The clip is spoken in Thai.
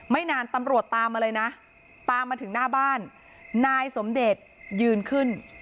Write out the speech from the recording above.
ไม่นานตำรวจตามมาเลยนะตามมาถึงหน้าบ้านนายสมเดชยืนขึ้น